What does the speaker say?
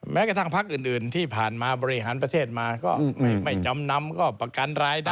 แม้กระทั่งพักอื่นที่ผ่านมาบริหารประเทศมาก็ไม่จำนำก็ประกันรายได้